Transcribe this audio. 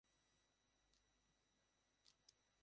বাপ বলেছেন, হীরে-মানিকে কাজ নেই, কিন্তু খুব ভারী সোনার গয়না চাই।